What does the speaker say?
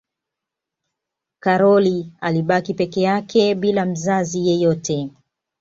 karol alibaki peke yake bila mzazi yeyote